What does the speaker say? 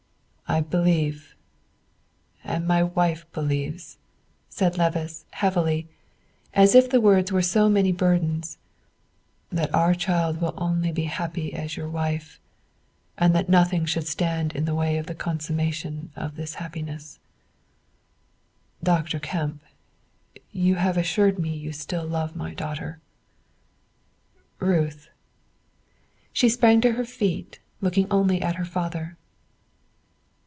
"I believe and my wife believes," said Levice, heavily, as if the words were so many burdens, "that our child will be happy only as your wife, and that nothing should stand in the way of the consummation of this happiness. Dr. Kemp, you have assured me you still love my daughter. Ruth!" She sprang to her feet, looking only at her father.